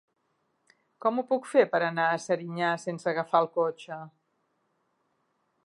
Com ho puc fer per anar a Serinyà sense agafar el cotxe?